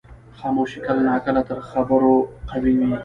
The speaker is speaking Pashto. خاموشي کله ناکله تر خبرو قوي وي.